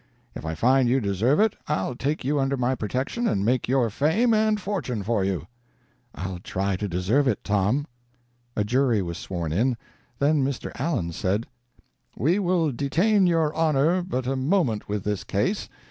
If I find you deserve it I'll take you under my protection and make your fame and fortune for you." "I'll try to deserve it, Tom." A jury was sworn in; then Mr. Allen said: "We will detain your honor but a moment with this case.